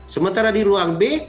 sementara di ruang b